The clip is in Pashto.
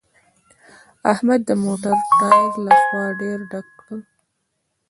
احمد د موټر ټایر له هوا ډېر ډک کړ